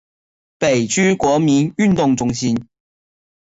北区国民运动中心